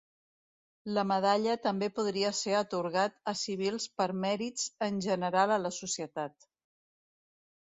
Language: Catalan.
La medalla també podria ser atorgat a civils per mèrits en general a la societat.